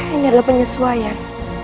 ini adalah penyesuaian